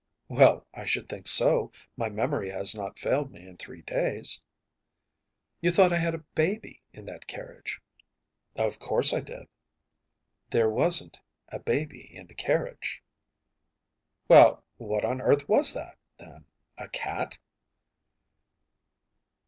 ‚ÄĚ “Well, I should think so. My memory has not failed me in three days.‚ÄĚ “You thought I had a baby in that carriage.‚ÄĚ “Of course I did.‚ÄĚ “There wasn’t a baby in the carriage.‚ÄĚ “Well, what on earth was it, then? A cat?